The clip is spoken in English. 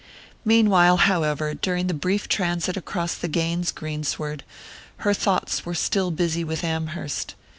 Meanwhile, however, during the brief transit across the Gaines greensward, her thoughts were still busy with Amherst.